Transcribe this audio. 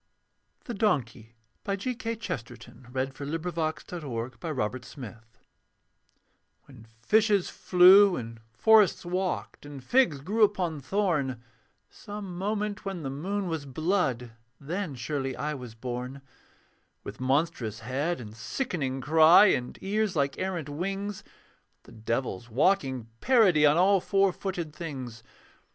ow starts, the grasses stir, For he has said the name of God. THE DONKEY When fishes flew and forests walked And figs grew upon thorn, Some moment when the moon was blood Then surely I was born; With monstrous head and sickening cry And ears like errant wings, The devil's walking parody On all four footed things.